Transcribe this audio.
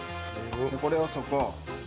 これをそこ。